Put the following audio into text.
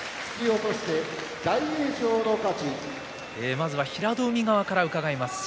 まずは平戸海側から伺います。